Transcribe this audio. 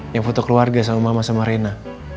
yang foto keluarga sama mama sama rena